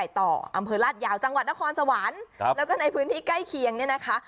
ต่ออำเภอลาดยาวจังหวัดนครสวรรค์แล้วก็ในพื้นที่ใกล้เคียงเนี่ยนะคะ